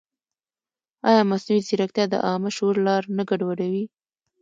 ایا مصنوعي ځیرکتیا د عامه شعور لار نه ګډوډوي؟